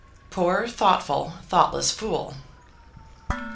Poor thoughtful, thoughtless fool!